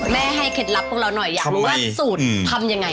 ให้เคล็ดลับพวกเราหน่อยอยากรู้ว่าสูตรทำยังไง